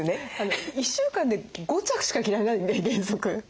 １週間で５着しか着られないんで原則。